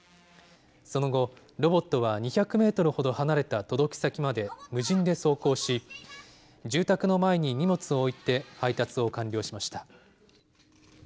その後、ロボットは２００メートルほど離れた届け先まで無人で走行し、住宅の前に荷物を置いて、配達を完了しました。